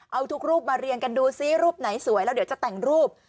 เอาทุกรูปมาเรียงกันดูซิรูปไหนสวยแล้วเดี๋ยวจะแต่งรูป